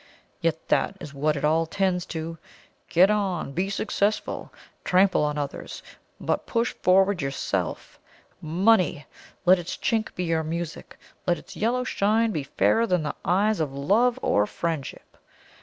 Yet that is what it all tends to. Get on! be successful! Trample on others, but push forward yourself! Money, money! let its chink be your music; let its yellow shine be fairer than the eyes of love or friendship!